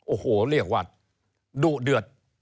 โอ้โหเรียกว่าดุเดือด